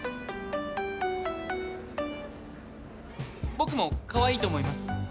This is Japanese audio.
僕も、かわいいと思います。